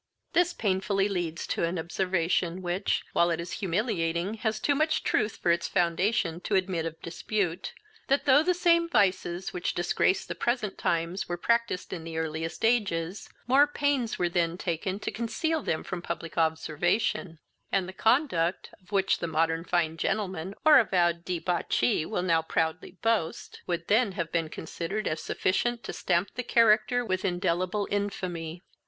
This painfully leads to an observation, which, while it is humiliating, has too much truth for its foundation to admit of dispute, that, though the same vices which disgrace the present times were practised in the earliest ages, more pains were then taken to conceal them from public observation, and the conduct, of which the modern fine gentleman or avowed debauchee will now proudly boast, would then have been considered as sufficient to stamp the character with indelible infamy.